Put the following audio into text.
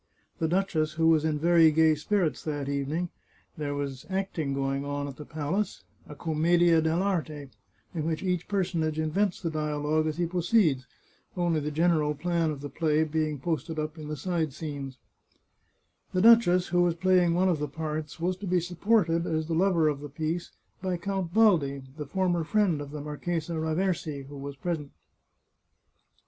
The duchess, who was in very gay spirits that evening (there was acting going on at the palace — a commedia deU'arte, in which each personage invents the dialogue as he proceeds, only the general plan of the play being posted up in the side scenes), the duchess, who was playing one of the parts, was to be supported, as the lover of the piece, by Count Baldi, the former friend of the Mar chesa Raversi, who was present.